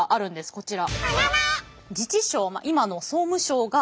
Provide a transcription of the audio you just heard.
こちら。